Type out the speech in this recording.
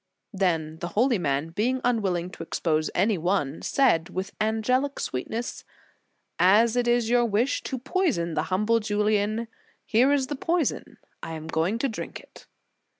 Then the holy man, being unwiUing to expose any one, said with an gelic sweetness: "As it is your wish to poison the humble Julian, here is the poison, I am going to drink it."